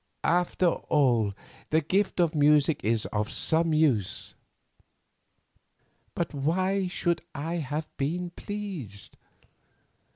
After all, the gift of music is of some use. "But why should I have been pleased?